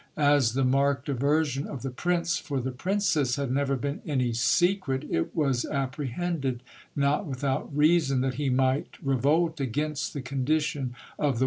As the marked aversion of the prince for the princess had never been any secret, it was appre hended, not without reason, that he might revolt against the condition of the THE FATAL MARRIAGE.